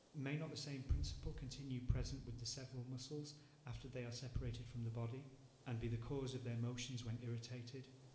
May not the same principle continue present with the several muscles after they are separated from the body, and be the cause of their motions when irritated?"